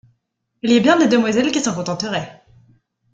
Il y a bien des demoiselles qui s’en contenteraient !